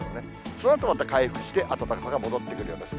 そのあとまた回復して、暖かさが戻ってくるようです。